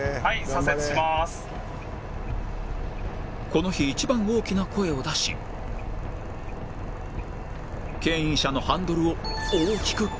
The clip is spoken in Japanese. この日一番大きな声を出し牽引車のハンドルを大きく切る